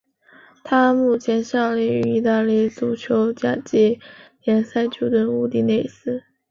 他目前效力于意大利足球甲级联赛球队乌迪内斯。